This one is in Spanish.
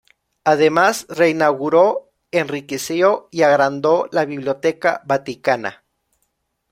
Además reinauguró, enriqueció y agrandó la Biblioteca Vaticana.